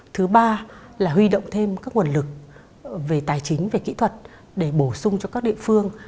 thứ ba là huy động thêm các nguồn lực về tài chính về kỹ thuật để bổ sung cho các địa phương